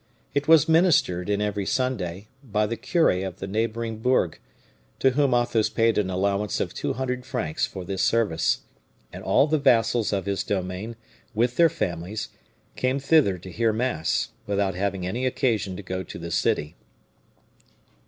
It was ministered in every Sunday, by the cure of the neighboring bourg, to whom Athos paid an allowance of two hundred francs for this service; and all the vassals of his domain, with their families, came thither to hear mass, without having any occasion to go to the city.